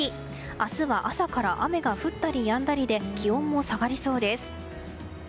明日は朝から雨が降ったりやんだりで気温も下がりそうです。